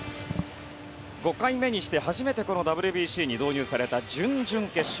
５回目にして初めてＷＢＣに導入された準々決勝。